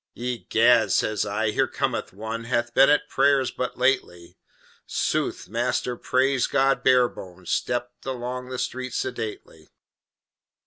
"Egad!" says I, "here cometh one Hath been at 's prayers but lately." Sooth, Master Praise God Barebones stepped Along the street sedately.